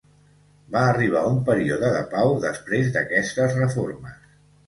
Va arribar un període de pau després d'aquestes reformes.